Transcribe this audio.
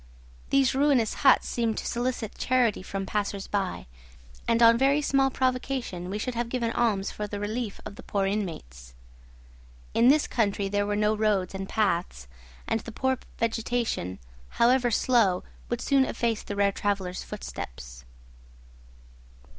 These ruinous huts seemed to solicit charity from passers by; and on very small provocation we should have given alms for the relief of the poor inmates. In this country there were no roads and paths, and the poor vegetation, however slow, would soon efface the rare travellers' footsteps.